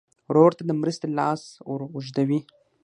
ورور ته د مرستې لاس ور اوږدوې.